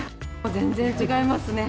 全然違いますね。